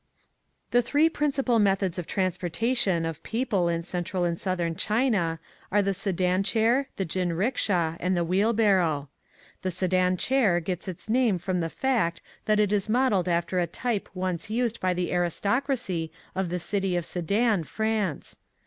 The three principal methods of trans portation of people in Central and South ern China are the Sedan chair, the jin ricksha, and the wheelbarrow. The Sedan chair gets its name from the fact that it is modeled after a type once used by the aristocracy of the city of Sedan, France.